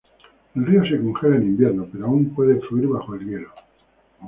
El río se congela en invierno, pero aún puede fluir bajo el hielo.